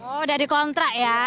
oh udah di kontrak ya